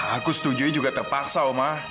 aku setuju juga terpaksa oma